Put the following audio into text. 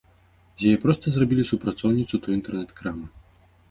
З яе проста зрабілі супрацоўніцу той інтэрнэт-крамы.